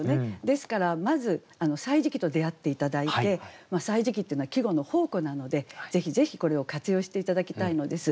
ですからまず「歳時記」と出会って頂いて「歳時記」っていうのは季語の宝庫なのでぜひぜひこれを活用して頂きたいのです。